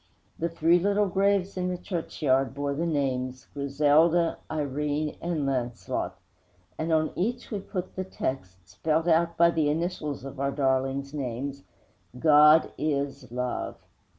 The three little graves in the churchyard bore the names Griselda, Irene and Launcelot; and on each we put the text, spelt out by the initials of our darlings' names: GOD IS LOVE.